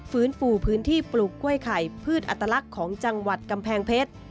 ฟื้นฟูพื้นที่ปลูกกล้วยไข่พืชอัตลักษณ์ของจังหวัดกำแพงเพชร